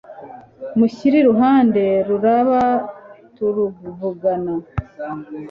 mushyire iruhande turaba tuvugana